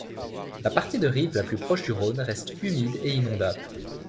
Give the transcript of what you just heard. La partie de rive la plus proche du Rhône reste humide et inondable.